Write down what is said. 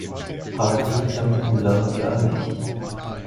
Hardy kannte Moulin gar nicht.